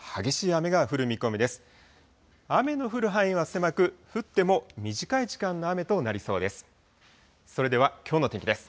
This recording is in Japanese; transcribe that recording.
雨の降る範囲は狭く、降っても短い時間の雨となりそうです。